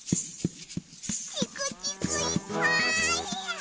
チクチクいっぱい。